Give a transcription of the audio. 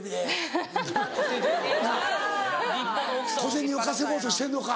小銭を稼ごうとしてるのか。